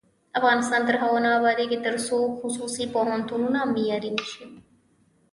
افغانستان تر هغو نه ابادیږي، ترڅو خصوصي پوهنتونونه معیاري نشي.